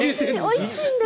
おいしいんです。